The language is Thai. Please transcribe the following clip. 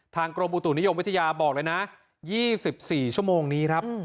ทางกรมบุตุนิยมวิทยาบอกเลยนะยี่สิบสี่ชั่วโมงนี้ครับ